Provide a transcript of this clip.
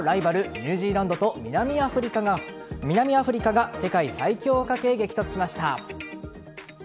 ニュージーランドと南アフリカが世界最強をかけ激突しました。